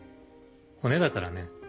骨だからね。